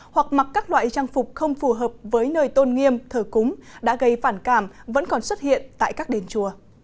hoặc mặc các loại trang phục không phù hợp với nơi tôn nghiêm thờ cúng đã gây phản cảm vẫn còn xuất hiện tại các đền chùa